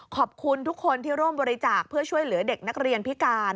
ขอบคุณทุกคนที่ร่วมบริจาคเพื่อช่วยเหลือเด็กนักเรียนพิการ